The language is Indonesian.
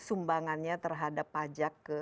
sumbangannya terhadap pajak ke